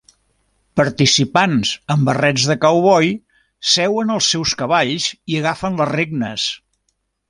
Participants amb barrets de cowboy seuen als seus cavalls i agafen les regnes